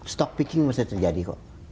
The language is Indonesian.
stock picking masih terjadi kok